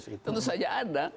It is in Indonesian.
iya tentu saja ada